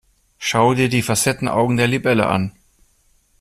Schau dir die Facettenaugen der Libelle an.